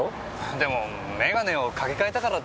でも眼鏡をかけ替えたからって。